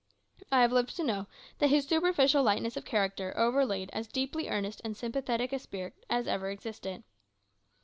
I have lived to know that his superficial lightness of character overlaid as deeply earnest and sympathetic a spirit as ever existed.